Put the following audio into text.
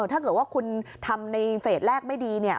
ถ้าเกิดว่าคุณทำในเฟสแรกไม่ดีเนี่ย